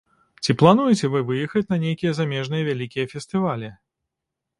Ці плануеце вы выехаць на нейкія замежныя вялікія фестывалі?